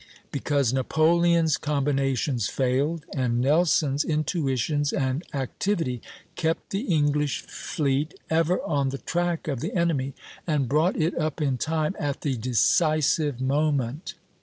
Because Napoleon's combinations failed, and Nelson's intuitions and activity kept the English fleet ever on the track of the enemy, and brought it up in time at the decisive moment.